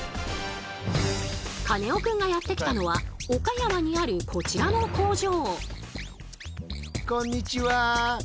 カネオくんがやって来たのは岡山にあるこちらの工場。